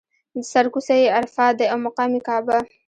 سر کوڅه یې عرفات دی او مقام یې کعبه.